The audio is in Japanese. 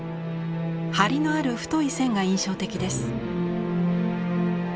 張りのある太い線が印象的です。